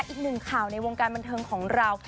อีกหนึ่งข่าวในวงการบันเทิงของเรา